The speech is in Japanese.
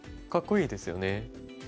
かっこいいですよね。